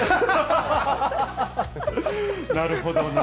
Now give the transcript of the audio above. なるほどな。